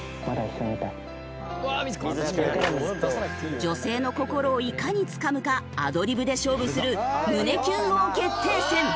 女性の心をいかにつかむかアドリブで勝負する胸キュン王決定戦。